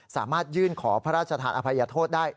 สามารถยื่นขอพระราชทานอภัยโทษได้